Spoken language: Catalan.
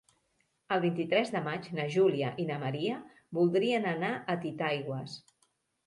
El vint-i-tres de maig na Júlia i na Maria voldrien anar a Titaigües.